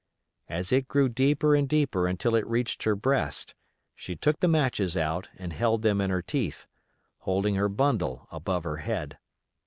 As it grew deeper and deeper until it reached her breast, she took the matches out and held them in her teeth, holding her bundle above her head.